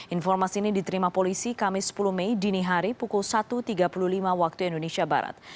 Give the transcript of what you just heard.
informasi ini diterima polisi kamis sepuluh mei dini hari pukul satu tiga puluh lima waktu indonesia barat